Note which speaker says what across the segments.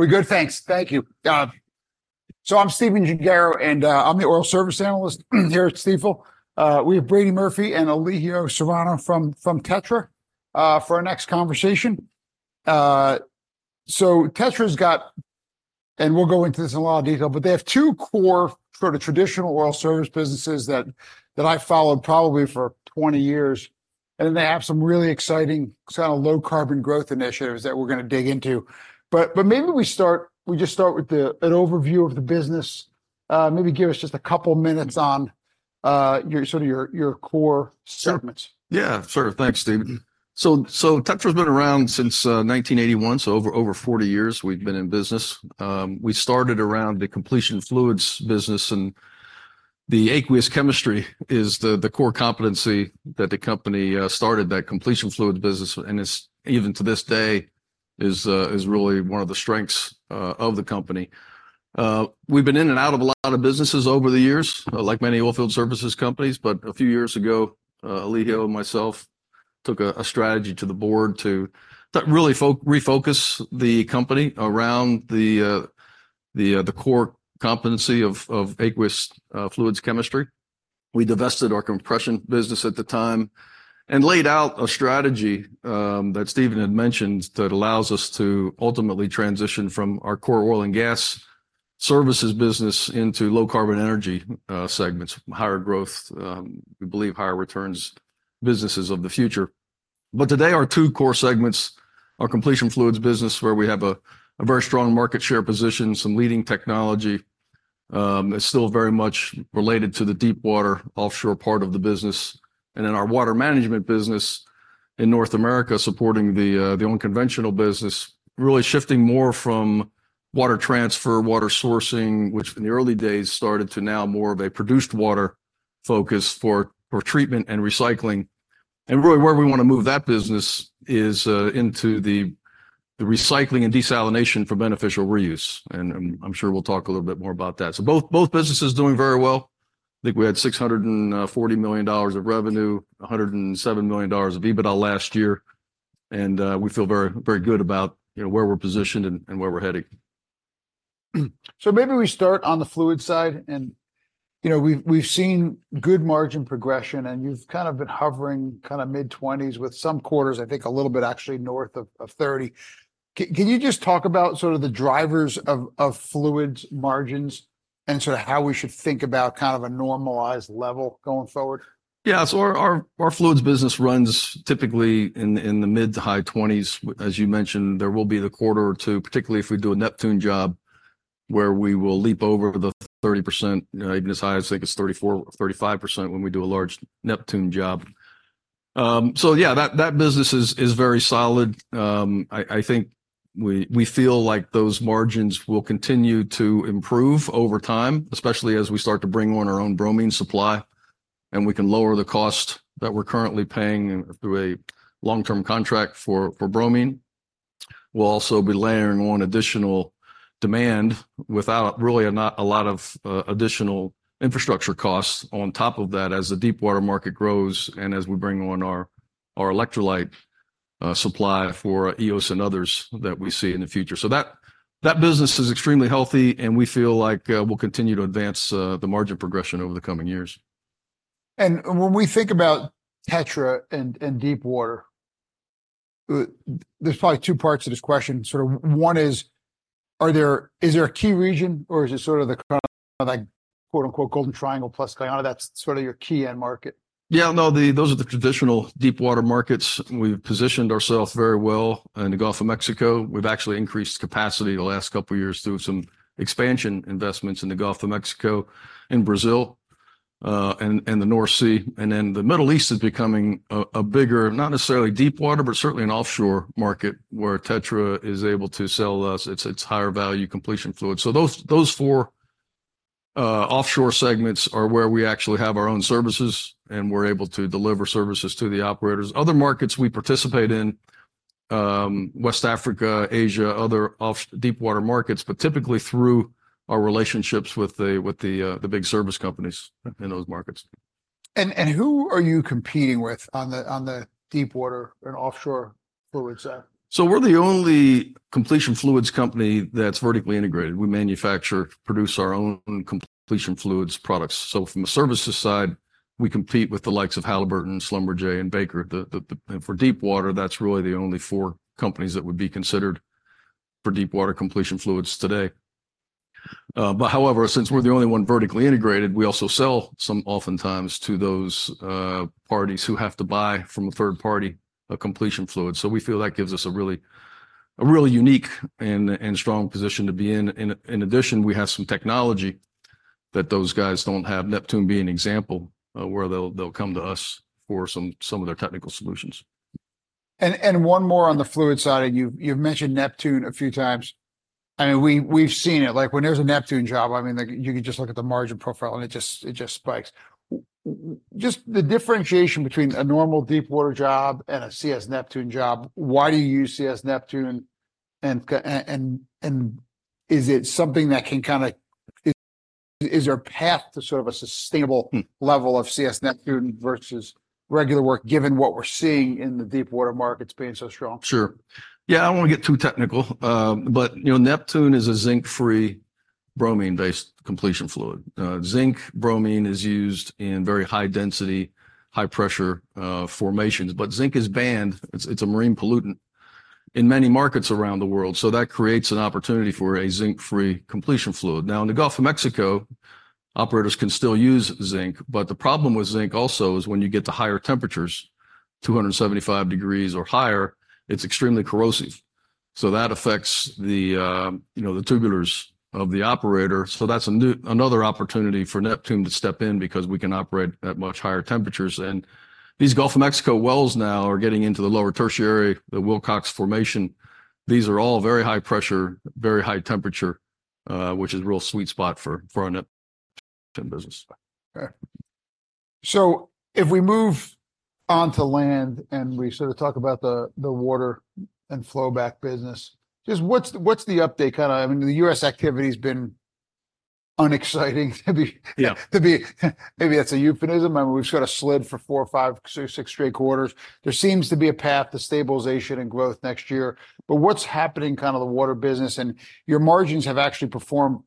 Speaker 1: Are we good? Thanks. Thank you. So I'm Stephen Gengaro, and I'm the oil service analyst here at Stifel. We have Brady Murphy and Elijio Serrano from TETRA for our next conversation. So TETRA's got, and we'll go into this in a lot of detail, but they have two core sort of traditional oil service businesses that I followed probably for 20 years. And then they have some really exciting kind of low carbon growth initiatives that we're going to dig into. But maybe we start, we just start with an overview of the business. Maybe give us just a couple minutes on your sort of core segments.
Speaker 2: Yeah, sure. Thanks, Stephen. So, so TETRA's been around since 1981. So over, over 40 years we've been in business. We started around the completion fluids business, and the aqueous chemistry is the, the core competency that the company started that completion fluids business. And it's even to this day is, is really one of the strengths of the company. We've been in and out of a lot of businesses over the years, like many oil field services companies. But a few years ago, Elijio and myself took a, a strategy to the board to really refocus the company around the, the, the core competency of, of aqueous fluids chemistry. We divested our compression business at the time and laid out a strategy that Stephen had mentioned that allows us to ultimately transition from our core oil and gas services business into low carbon energy segments, higher growth, we believe higher returns businesses of the future. But today our two core segments are completion fluids business, where we have a, a very strong market share position, some leading technology. It's still very much related to the deepwater offshore part of the business. And then our water management business in North America supporting the, the unconventional business, really shifting more from water transfer, water sourcing, which in the early days started to now more of a produced water focus for, for treatment and recycling. And really where we want to move that business is into the, the recycling and desalination for beneficial reuse. I'm sure we'll talk a little bit more about that. So both businesses doing very well. I think we had $640 million of revenue, $107 million of EBITDA last year. We feel very, very good about, you know, where we're positioned and where we're heading.
Speaker 1: Maybe we start on the fluid side. You know, we've seen good margin progression, and you've kind of been hovering kind of mid-20s% with some quarters, I think a little bit actually north of 30%. Can you just talk about sort of the drivers of fluids margins and sort of how we should think about kind of a normalized level going forward?
Speaker 2: Yeah. So our fluids business runs typically in the mid-20s to high 20s. As you mentioned, there will be the quarter or two, particularly if we do a Neptune job, where we will leap over the 30%, you know, even as high as I think it's 34% to 35% when we do a large Neptune job. So yeah, that business is very solid. I think we feel like those margins will continue to improve over time, especially as we start to bring on our own bromine supply and we can lower the cost that we're currently paying through a long-term contract for bromine. We'll also be layering on additional demand without really a lot of additional infrastructure costs on top of that as the deepwater market grows and as we bring on our electrolyte supply for Eos and others that we see in the future. So that business is extremely healthy, and we feel like we'll continue to advance the margin progression over the coming years.
Speaker 1: When we think about TETRA and deepwater, there's probably two parts of this question. Sort of one is, is there a key region or is it sort of the kind of like quote unquote golden triangle plus Guyana that's sort of your key end market?
Speaker 2: Yeah. No, those are the traditional deepwater markets. We've positioned ourselves very well in the Gulf of Mexico. We've actually increased capacity the last couple of years through some expansion investments in the Gulf of Mexico, in Brazil, and the North Sea. Then the Middle East is becoming a bigger, not necessarily deepwater, but certainly an offshore market where TETRA is able to sell its higher value completion fluids. So those four offshore segments are where we actually have our own services and we're able to deliver services to the operators. Other markets we participate in, West Africa, Asia, other offshore deepwater markets, but typically through our relationships with the big service companies in those markets.
Speaker 1: Who are you competing with on the deepwater and offshore fluids side?
Speaker 2: So we're the only completion fluids company that's vertically integrated. We manufacture, produce our own completion fluids products. So from a services side, we compete with the likes of Halliburton, Schlumberger, and Baker. The and for deepwater, that's really the only four companies that would be considered for deepwater completion fluids today. However, since we're the only one vertically integrated, we also sell some oftentimes to those parties who have to buy from a third party a completion fluid. So we feel that gives us a really unique and strong position to be in. In addition, we have some technology that those guys don't have, Neptune being an example, where they'll come to us for some of their technical solutions.
Speaker 1: And one more on the fluid side. You've mentioned Neptune a few times. I mean, we've seen it like when there's a Neptune job, I mean, like you can just look at the margin profile and it just spikes. Just the differentiation between a normal deepwater job and a CS Neptune job. Why do you use CS Neptune? And is it something that can kind of, is there a path to sort of a sustainable level of CS Neptune versus regular work given what we're seeing in the deepwater markets being so strong?
Speaker 2: Sure. Yeah. I don't wanna get too technical, but you know, Neptune is a zinc-free bromine-based completion fluid. Zinc bromide is used in very high density, high pressure, formations, but zinc is banned. It's, it's a marine pollutant in many markets around the world. So that creates an opportunity for a zinc-free completion fluid. Now, in the Gulf of Mexico, operators can still use zinc, but the problem with zinc also is when you get to higher temperatures, 275 degrees or higher, it's extremely corrosive. So that affects the, you know, the tubulars of the operator. So that's a new, another opportunity for Neptune to step in because we can operate at much higher temperatures. And these Gulf of Mexico wells now are getting into the Lower Tertiary, the Wilcox Formation. These are all very high pressure, very high temperature, which is a real sweet spot for our Neptune business.
Speaker 1: Okay. So if we move onto land and we sort of talk about the, the water and flowback business, just what's, what's the update? Kind of, I mean, the U.S. activity has been unexciting to be, to be maybe that's a euphemism. I mean, we've sort of slid for 4, 5, 6, 6 straight quarters. There seems to be a path to stabilization and growth next year, but what's happening kind of the water business and your margins have actually performed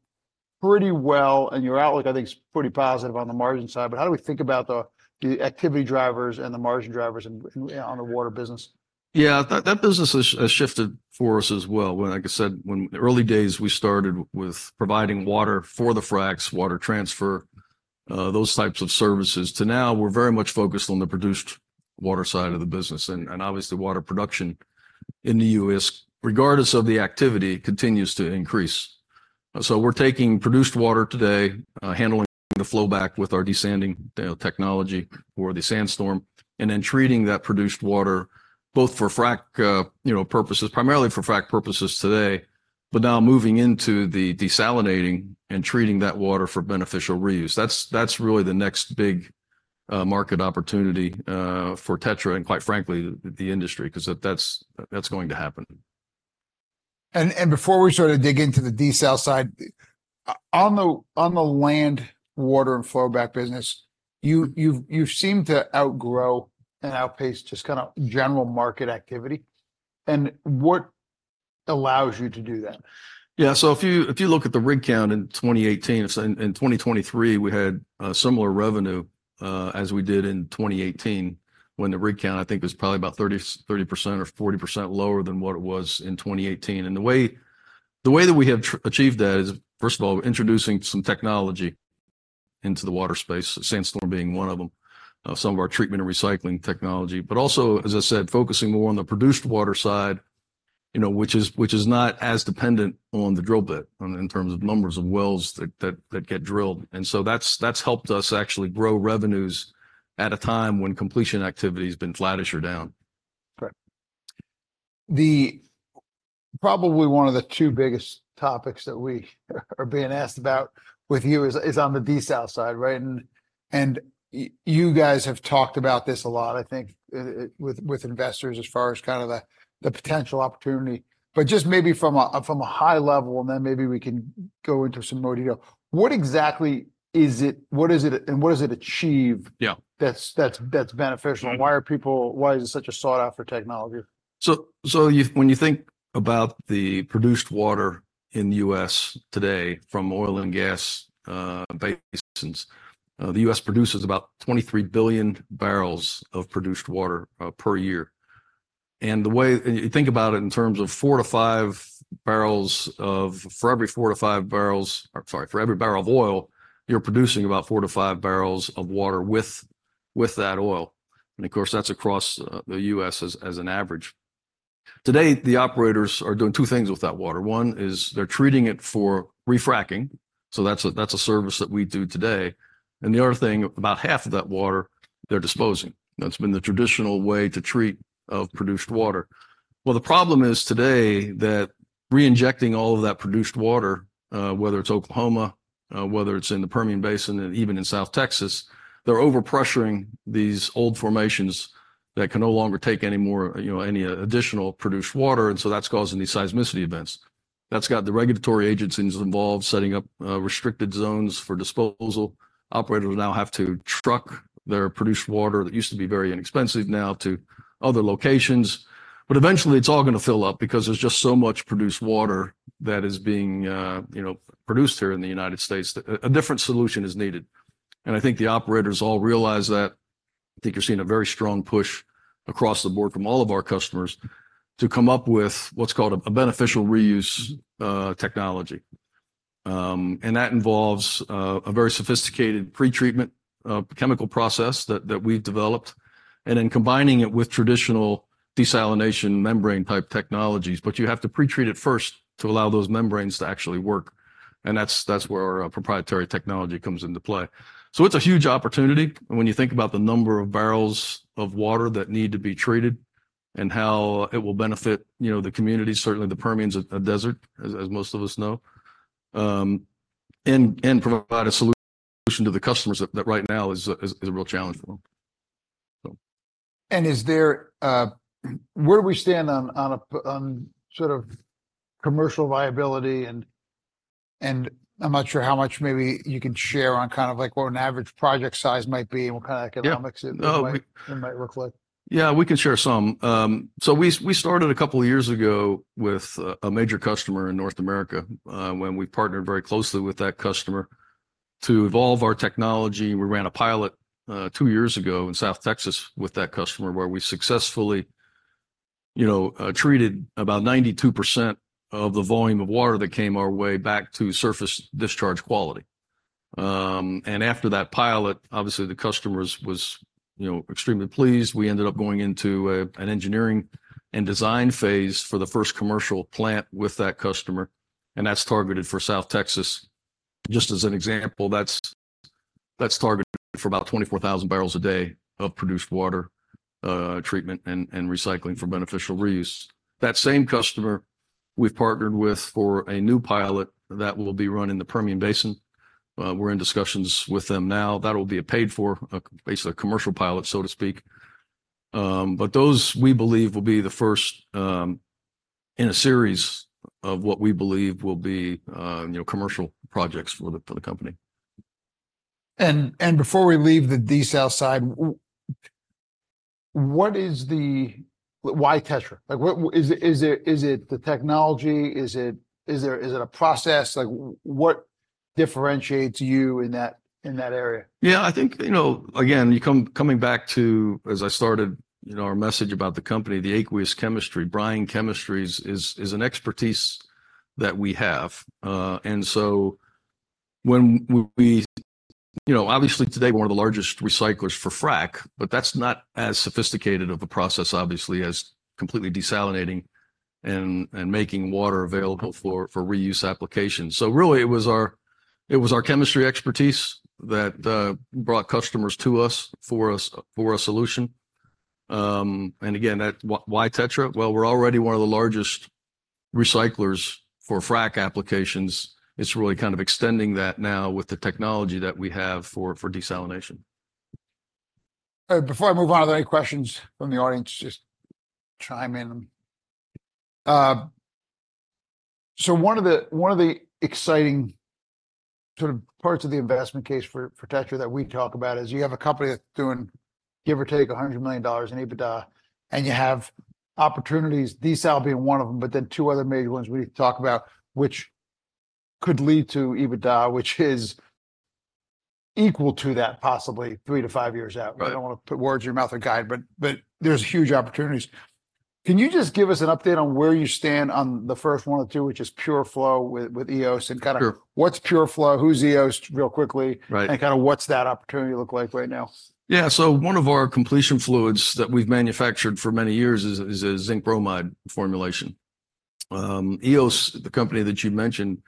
Speaker 1: pretty well and your outlook, I think it's pretty positive on the margin side. But how do we think about the, the activity drivers and the margin drivers and, and on the water business?
Speaker 2: Yeah, that business has shifted for us as well. When, like I said, when early days we started with providing water for the fracks, water transfer, those types of services. To now we're very much focused on the produced water side of the business. And obviously water production in the U.S., regardless of the activity, continues to increase. So we're taking produced water today, handling the flowback with our desanding, you know, technology or the SandStorm and then treating that produced water both for frac, you know, purposes, primarily for frac purposes today, but now moving into the desalinating and treating that water for beneficial reuse. That's really the next big market opportunity for TETRA and quite frankly, the industry, 'cause that's going to happen.
Speaker 1: Before we sort of dig into the desal side, on the land water and flowback business, you've seemed to outgrow and outpace just kind of general market activity. What allows you to do that?
Speaker 2: Yeah. So if you look at the rig count in 2018, in 2023, we had similar revenue, as we did in 2018 when the rig count, I think it was probably about 30% or 40% lower than what it was in 2018. And the way that we have achieved that is, first of all, introducing some technology into the water space, SandStorm being one of 'em, some of our treatment and recycling technology, but also, as I said, focusing more on the produced water side, you know, which is not as dependent on the drill bit in terms of numbers of wells that get drilled. And so that's helped us actually grow revenues at a time when completion activity has been flattish or down.
Speaker 1: Right. Probably one of the two biggest topics that we are being asked about with you is on the desal side, right? And you guys have talked about this a lot, I think, with investors as far as kind of the potential opportunity, but just maybe from a high level, and then maybe we can go into some more detail. What exactly is it, and what does it achieve?
Speaker 2: Yeah.
Speaker 1: That's beneficial? And why are people, why is it such a sought after technology?
Speaker 2: So, when you think about the produced water in the U.S. today from oil and gas basins, the U.S. produces about 23 billion barrels of produced water per year. And the way you think about it in terms of, for every barrel of oil, you're producing about four to five barrels of water with that oil. And of course that's across the U.S. as an average. Today, the operators are doing two things with that water. One is they're treating it for refracking. So that's a service that we do today. And the other thing, about half of that water they're disposing. That's been the traditional way to treat of produced water. Well, the problem is today that reinjecting all of that produced water, whether it's Oklahoma, whether it's in the Permian Basin and even in South Texas, they're overpressuring these old formations that can no longer take any more, you know, any additional produced water. And so that's causing these seismicity events. That's got the regulatory agencies involved, setting up restricted zones for disposal. Operators now have to truck their produced water that used to be very inexpensive now to other locations. But eventually it's all gonna fill up because there's just so much produced water that is being, you know, produced here in the United States. A different solution is needed. And I think the operators all realize that. I think you're seeing a very strong push across the board from all of our customers to come up with what's called a beneficial reuse technology. and that involves a very sophisticated pretreatment chemical process that we've developed and then combining it with traditional desalination membrane type technologies, but you have to pretreat it first to allow those membranes to actually work. And that's where our proprietary technology comes into play. So it's a huge opportunity. And when you think about the number of barrels of water that need to be treated and how it will benefit, you know, the community, certainly the Permian’s a desert, as most of us know, and provide a solution to the customers that right now is a real challenge for them.
Speaker 1: And where do we stand on sort of commercial viability? And I'm not sure how much maybe you can share on kind of like what an average project size might be and what kind of economics it might look like.
Speaker 2: Yeah, we can share some. We started a couple of years ago with a major customer in North America, when we partnered very closely with that customer to evolve our technology. We ran a pilot, two years ago in South Texas with that customer where we successfully, you know, treated about 92% of the volume of water that came our way back to surface discharge quality. After that pilot, obviously the customer was, you know, extremely pleased. We ended up going into an engineering and design phase for the first commercial plant with that customer. That's targeted for South Texas. Just as an example, that's targeted for about 24,000 barrels a day of produced water treatment and recycling for beneficial reuse. That same customer we've partnered with for a new pilot that will be run in the Permian Basin. We're in discussions with them now. That'll be a paid-for, basically a commercial pilot, so to speak. But those we believe will be the first, in a series of what we believe will be, you know, commercial projects for the, for the company.
Speaker 1: Before we leave the desal side, what is the, why TETRA? Like what is it, is it the technology? Is it, is there, is it a process? Like what differentiates you in that area?
Speaker 2: Yeah, I think, you know, again, coming back to, as I started, you know, our message about the company, the aqueous chemistry, brine chemistries is an expertise that we have. So when we, you know, obviously today we're one of the largest recyclers for frac, but that's not as sophisticated of a process obviously as completely desalinating and making water available for reuse applications. So really it was our chemistry expertise that brought customers to us for a solution. And again, that's why, why TETRA? Well, we're already one of the largest recyclers for frac applications. It's really kind of extending that now with the technology that we have for desalination.
Speaker 1: Before I move on, are there any questions from the audience? Just chime in. So one of the exciting sort of parts of the investment case for TETRA that we talk about is you have a company that's doing give or take $100 million in EBITDA and you have opportunities, desal being one of 'em, but then two other major ones we talk about, which could lead to EBITDA which is equal to that possibly three to five years out. I don't wanna put words in your mouth or guide, but there's huge opportunities. Can you just give us an update on where you stand on the first one of the two, which is PureFlow with Eos and kind of what's PureFlow, who's Eos real quickly and kind of what's that opportunity look like right now?
Speaker 2: Yeah. So one of our completion fluids that we've manufactured for many years is a zinc bromide formulation. Eos, the company that you mentioned,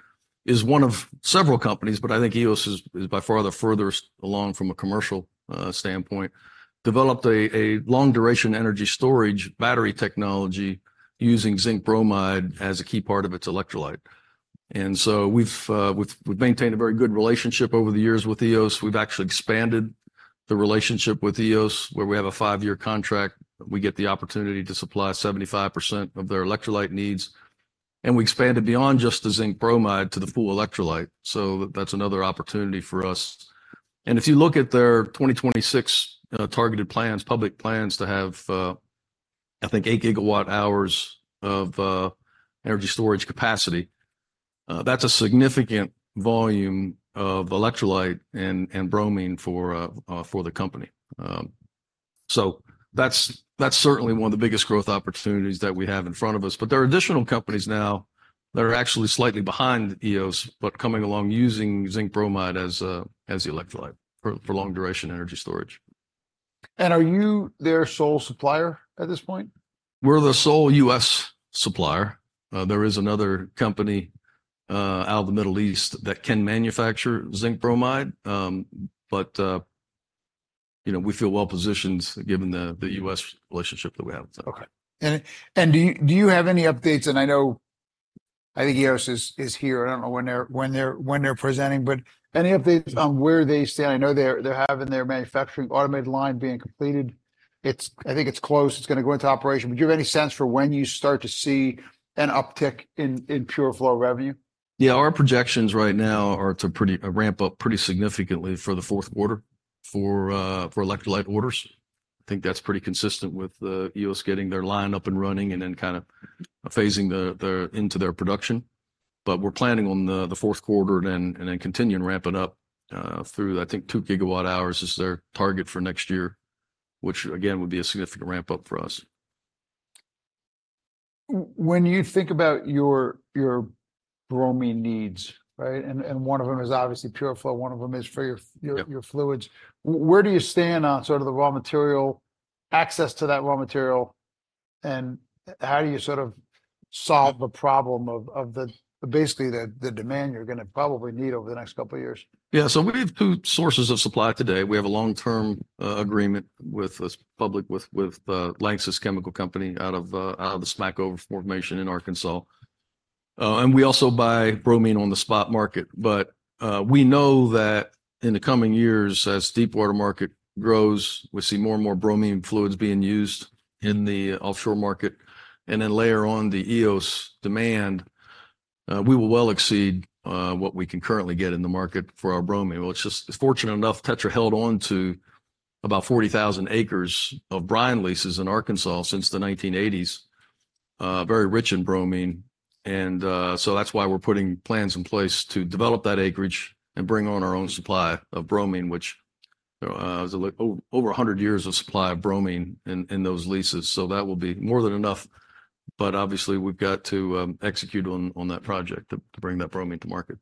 Speaker 2: is one of several companies, but I think Eos is by far the furthest along from a commercial standpoint, developed a long duration energy storage battery technology using zinc bromide as a key part of its electrolyte. And so we've maintained a very good relationship over the years with Eos. We've actually expanded the relationship with Eos where we have a five-year contract. We get the opportunity to supply 75% of their electrolyte needs. And we expanded beyond just the zinc bromide to the full electrolyte. So that's another opportunity for us. If you look at their 2026 targeted plans, public plans to have, I think 8 gigawatt hours of energy storage capacity, that's a significant volume of electrolyte and bromine for the company. So that's certainly one of the biggest growth opportunities that we have in front of us. But there are additional companies now that are actually slightly behind Eos but coming along using zinc bromide as the electrolyte for long duration energy storage.
Speaker 1: Are you their sole supplier at this point?
Speaker 2: We're the sole U.S. supplier. There is another company, out of the Middle East, that can manufacture zinc bromide. But, you know, we feel well positioned given the U.S. relationship that we have.
Speaker 1: Okay. And do you have any updates? And I know, I think Eos is here. I don't know when they're presenting, but any updates on where they stand? I know they're having their manufacturing automated line being completed. It's, I think it's closed. It's gonna go into operation. But do you have any sense for when you start to see an uptick in PureFlow revenue?
Speaker 2: Yeah, our projections right now are to pretty ramp up pretty significantly for the fourth quarter for—for electrolyte orders. I think that's pretty consistent with Eos getting their line up and running and then kind of phasing the into their production. But we're planning on the fourth quarter and then continuing ramping up through. I think two gigawatt hours is their target for next year, which again would be a significant ramp up for us.
Speaker 1: When you think about your bromine needs, right? And one of 'em is obviously PureFlow, one of 'em is for your fluids. Where do you stand on sort of the raw material access to that raw material? And how do you sort of solve the problem of basically the demand you're gonna probably need over the next couple of years?
Speaker 2: Yeah. So we have two sources of supply today. We have a long-term agreement with LANXESS out of the Smackover Formation in Arkansas. We also buy bromine on the spot market. But we know that in the coming years, as deepwater market grows, we see more and more bromine fluids being used in the offshore market. And then layer on the Eos demand, we will well exceed what we can currently get in the market for our bromine. Well, it's just fortunate enough, TETRA held onto about 40,000 acres of brine leases in Arkansas since the 1980s, very rich in bromine. So that's why we're putting plans in place to develop that acreage and bring on our own supply of bromine, which is a little over 100 years of supply of bromine in those leases. So that will be more than enough. But obviously we've got to execute on that project to bring that bromine to market.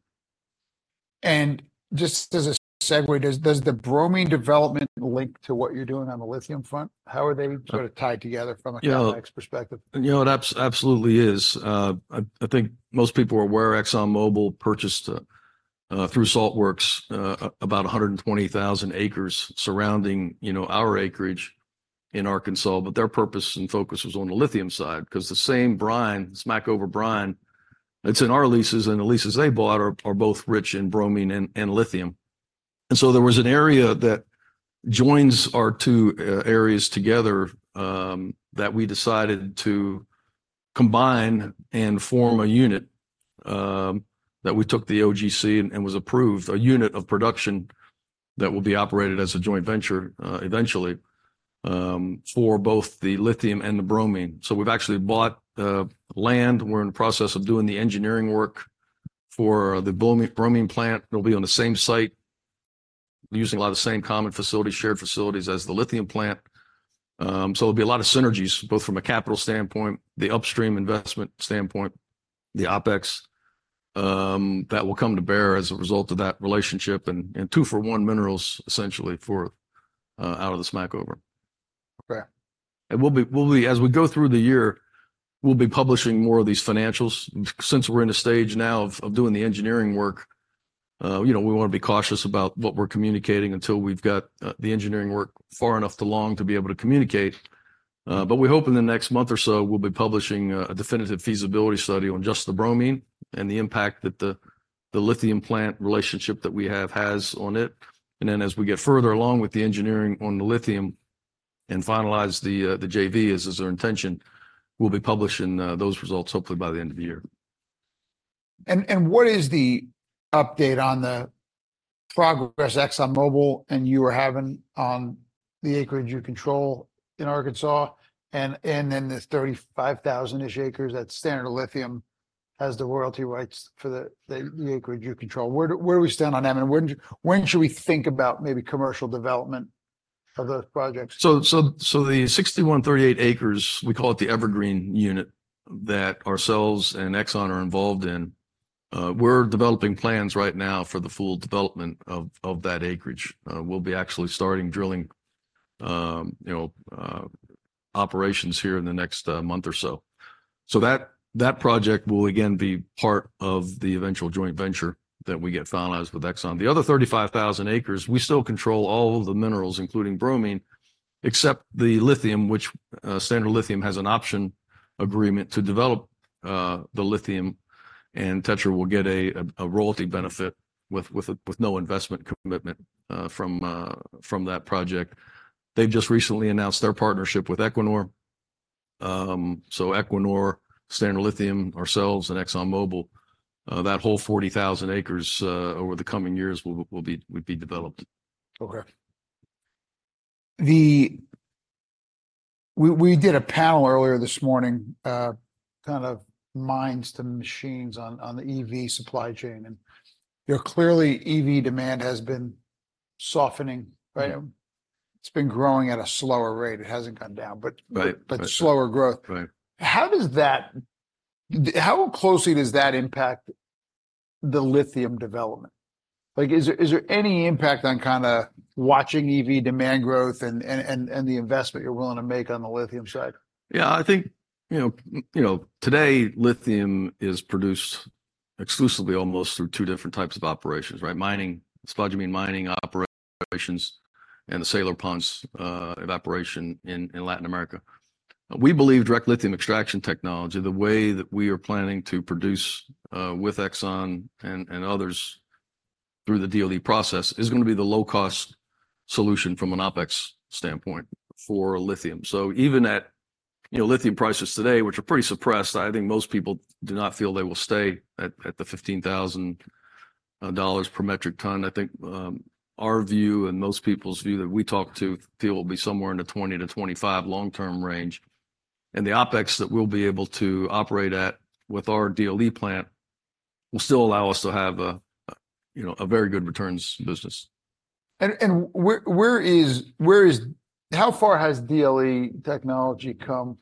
Speaker 1: Just as a segue, does the bromine development link to what you're doing on the lithium front? How are they sort of tied together from a complex perspective?
Speaker 2: You know, it absolutely is. I—I think most people are aware, ExxonMobil purchased, through Saltwerx, about 120,000 acres surrounding, you know, our acreage in Arkansas. But their purpose and focus was on the lithium side, 'cause the same brine, Smackover brine, it's in our leases and the leases they bought are, are both rich in bromine and, and lithium. And so there was an area that joins our two, areas together, that we decided to combine and form a unit, that we took the OGC and, and was approved a unit of production that will be operated as a joint venture, eventually, for both the lithium and the bromine. So we've actually bought, land. We're in the process of doing the engineering work for the bromine, bromine plant. It'll be on the same site using a lot of the same common facilities, shared facilities as the lithium plant. So, it'll be a lot of synergies both from a capital standpoint, the upstream investment standpoint, the OPEX, that will come to bear as a result of that relationship, and two-for-one minerals essentially for out of the Smackover.
Speaker 1: Okay.
Speaker 2: And we'll be, as we go through the year, we'll be publishing more of these financials since we're in a stage now of doing the engineering work. You know, we wanna be cautious about what we're communicating until we've got the engineering work far enough along to be able to communicate. But we hope in the next month or so, we'll be publishing a definitive feasibility study on just the bromine and the impact that the lithium plant relationship that we have has on it. And then as we get further along with the engineering on the lithium and finalize the JV as our intention, we'll be publishing those results hopefully by the end of the year.
Speaker 1: What is the update on the progress ExxonMobil and you are having on the acreage you control in Arkansas, and then the 35,000-ish acres that Standard Lithium has the royalty rights for the acreage you control? Where do we stand on that? And when should we think about maybe commercial development of those projects?
Speaker 2: So, the 6,138 acres, we call it the Evergreen Unit that ourselves and Exxon are involved in, we're developing plans right now for the full development of that acreage. We'll be actually starting drilling, you know, operations here in the next month or so. So that project will again be part of the eventual joint venture that we get finalized with Exxon. The other 35,000 acres, we still control all of the minerals, including bromine, except the lithium, which Standard Lithium has an option agreement to develop, the lithium and TETRA will get a royalty benefit with no investment commitment from that project. They've just recently announced their partnership with Equinor. So Equinor, Standard Lithium, ourselves and ExxonMobil, that whole 40,000 acres, over the coming years will be developed.
Speaker 1: Okay. We did a panel earlier this morning, kind of Mines to Machines on the EV supply chain. And you're clearly EV demand has been softening, right? It's been growing at a slower rate. It hasn't gone down, but slower growth. How does that, how closely does that impact the lithium development? Like, is there any impact on kind of watching EV demand growth and the investment you're willing to make on the lithium side?
Speaker 2: Yeah, I think, you know, you know, today lithium is produced exclusively almost through two different types of operations, right? Mining, spodumene mining operations and the solar ponds, evaporation in Latin America. We believe direct lithium extraction technology, the way that we are planning to produce, with Exxon and others through the DLE process is gonna be the low cost solution from an OpEx standpoint for lithium. So even at, you know, lithium prices today, which are pretty suppressed, I think most people do not feel they will stay at $15,000 per metric ton. I think, our view and most people's view that we talk to feel will be somewhere in the $20,000 to $25,000 long-term range. And the OpEx that we'll be able to operate at with our DLE plant will still allow us to have a, you know, a very good returns business.
Speaker 1: And where is how far has DLE technology come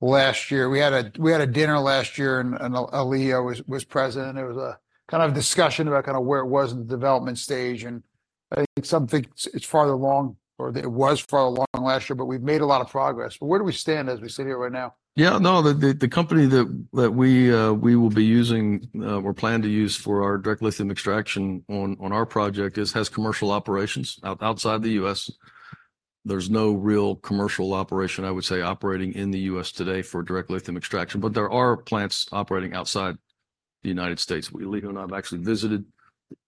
Speaker 1: last year? We had a dinner last year and Elijio was present. It was a kind of discussion about kind of where it was in the development stage. And I think some think it's farther along or it was farther along last year, but we've made a lot of progress. But where do we stand as we sit here right now?
Speaker 2: Yeah, no, the company that we will be using, we're planning to use for our direct lithium extraction on our project has commercial operations outside the U.S. There's no real commercial operation, I would say, operating in the U.S. today for direct lithium extraction, but there are plants operating outside the United States. Elijio and I have actually visited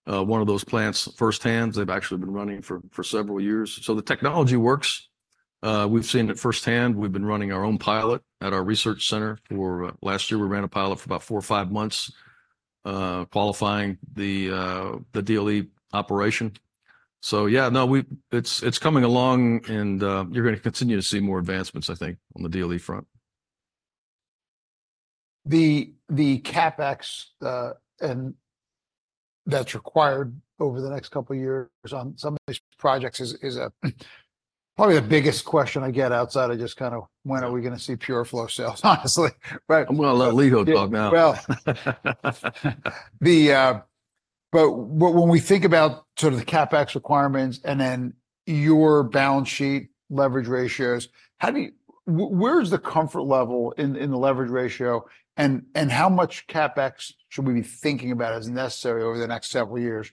Speaker 2: one of those plants firsthand. They've actually been running for several years. So the technology works. We've seen it firsthand. We've been running our own pilot at our research center. Last year, we ran a pilot for about 4 or 5 months, qualifying the DLE operation. So yeah, no, it's coming along, and you're gonna continue to see more advancements, I think, on the DLE front.
Speaker 1: The CapEx, and that's required over the next couple of years on some of these projects is probably the biggest question I get outside of just kind of when are we gonna see PureFlow sales, honestly, right?
Speaker 2: I'm gonna let Elijio talk now.
Speaker 1: Well, but what, when we think about sort of the CapEx requirements and then your balance sheet leverage ratios, how do you, where's the comfort level in the leverage ratio and how much CapEx should we be thinking about as necessary over the next several years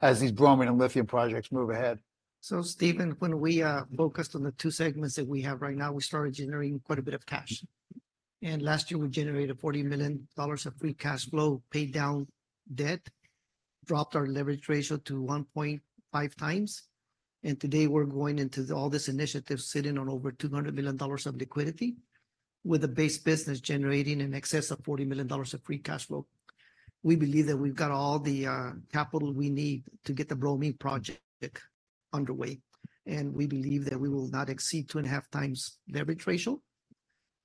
Speaker 1: as these bromine and lithium projects move ahead?
Speaker 3: So, Stephen, when we are focused on the two segments that we have right now, we started generating quite a bit of cash. And last year we generated $40 million of free cash flow, paid down debt, dropped our leverage ratio to 1.5x. And today we're going into all this initiative, sitting on over $200 million of liquidity with a base business generating in excess of $40 million of free cash flow. We believe that we've got all the capital we need to get the bromine project underway. And we believe that we will not exceed 2.5x leverage ratio.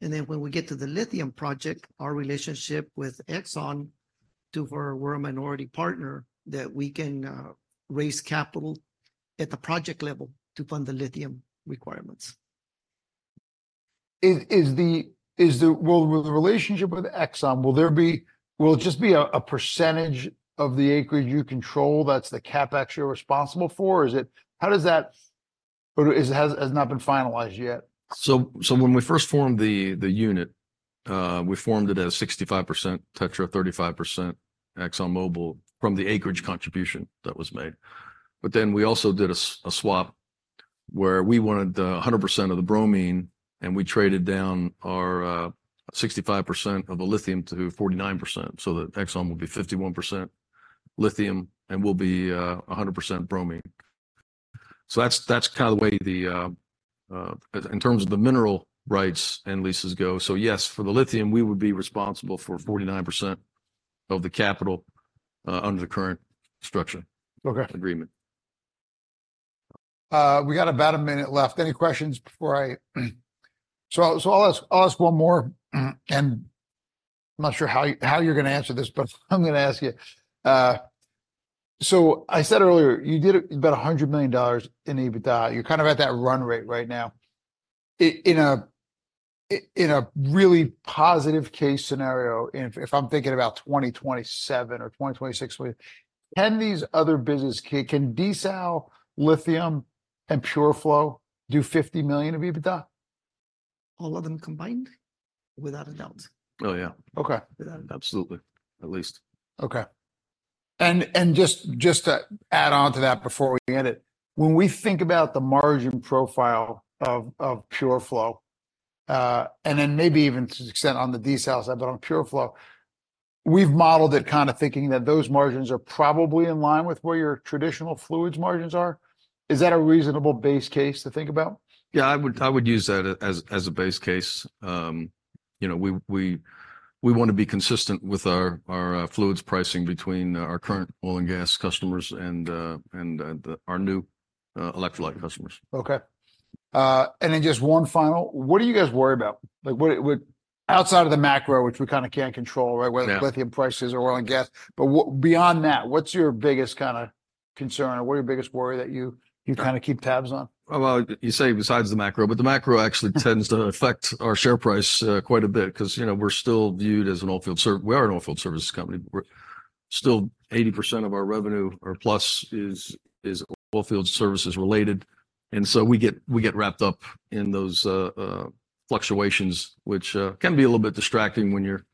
Speaker 3: And then when we get to the lithium project, our relationship with Exxon to where we're a minority partner that we can raise capital at the project level to fund the lithium requirements.
Speaker 1: Is the deal with the relationship with Exxon, will there be a percentage of the acreage you control that's the CapEx you're responsible for? Is it how does that, or is it has not been finalized yet?
Speaker 2: So when we first formed the unit, we formed it as 65% TETRA, 35% ExxonMobil from the acreage contribution that was made. But then we also did a swap where we wanted the 100% of the bromine and we traded down our 65% of the lithium to 49%. So that Exxon will be 51% lithium and we'll be 100% bromine. So that's kind of the way, in terms of the mineral rights and leases go. So yes, for the lithium, we would be responsible for 49% of the capital, under the current structure agreement.
Speaker 1: Okay. We got about a minute left. Any questions before I? So, I'll ask one more and I'm not sure how you, how you're gonna answer this, but I'm gonna ask you, so I said earlier you did about $100 million in EBITDA. You're kind of at that run rate right now. In a really positive case scenario, if I'm thinking about 2027 or 2026, can these other business, can desal, lithium and PureFlow do $50 million of EBITDA?
Speaker 3: All of them combined without a doubt.
Speaker 2: Oh yeah.
Speaker 1: Okay.
Speaker 2: Absolutely. At least.
Speaker 1: Okay. And just to add onto that before we end it, when we think about the margin profile of PureFlow, and then maybe even to the extent on the desal side, but on PureFlow, we've modeled it kind of thinking that those margins are probably in line with where your traditional fluids margins are. Is that a reasonable base case to think about?
Speaker 2: Yeah, I would use that as a base case. You know, we wanna be consistent with our fluids pricing between our current oil and gas customers and our new electrolyte customers.
Speaker 1: Okay. And then just one final, what do you guys worry about? Like what it would outside of the macro, which we kind of can't control, right? Whether lithium prices or oil and gas, but what beyond that, what's your biggest kind of concern or what are your biggest worry that you, you kind of keep tabs on?
Speaker 2: Well, you say besides the macro, but the macro actually tends to affect our share price quite a bit. 'Cause, you know, we're still viewed as an oilfield service. We are an oilfield services company. We're still 80% of our revenue or plus is oilfield services related. And so we get wrapped up in those fluctuations, which can be a little bit distracting when you're,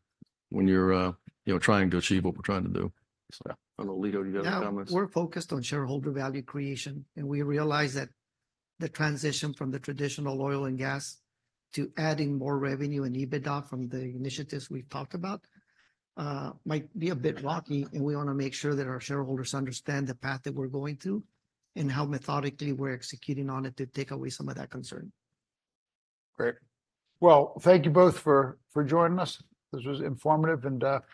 Speaker 2: you know, trying to achieve what we're trying to do. So I don't know, Elijio, do you have any comments?
Speaker 3: Yeah, we're focused on shareholder value creation and we realize that the transition from the traditional oil and gas to adding more revenue and EBITDA from the initiatives we've talked about, might be a bit rocky. We wanna make sure that our shareholders understand the path that we're going to and how methodically we're executing on it to take away some of that concern.
Speaker 1: Great. Well, thank you both for joining us. This was informative and,